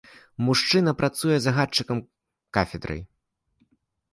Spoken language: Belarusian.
Мужчына працуе загадчыкам кафедрай.